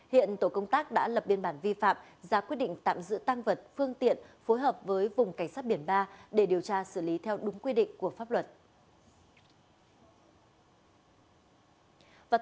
hiện tổ công tác đã lập biên bản vi phạm ra quyết định tạm giữ tăng vật phương tiện phối hợp với vùng cảnh sát biển ba để điều tra xử lý theo đúng quy định của pháp luật